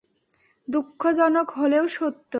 দুঃখজনক হলেও সত্য!